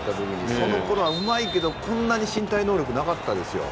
そのころはうまいけどこんなに身体能力なかったですよ。